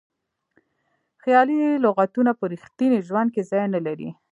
خیالي لغتونه په ریښتیني ژوند کې ځای نه لري.